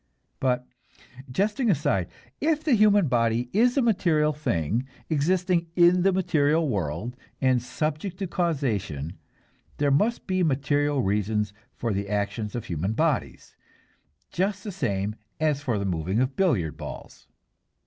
But jesting aside: if the human body is a material thing, existing in the material world and subject to causation, there must be material reasons for the actions of human bodies, just the same as for the moving of billiard balls.